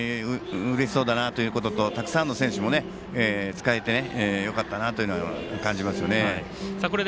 やはりうれしそうだなということとたくさんの選手も使えてよかったなというのは感じますよね。